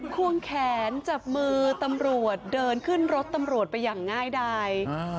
ควงแขนจับมือตำรวจเดินขึ้นรถตำรวจไปอย่างง่ายดาย